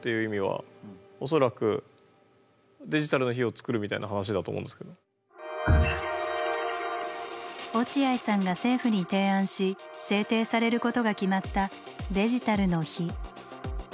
回り回って落合さんが政府に提案し制定されることが決まった「デジタルの日」。